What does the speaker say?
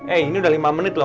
eh ini udah lima menit loh